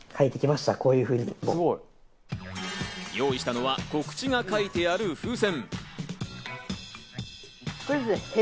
用意したのは告知が書いてある風船。